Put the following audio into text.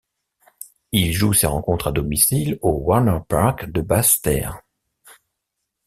Il joue ses rencontres à domicile au Warner Park de Basseterre.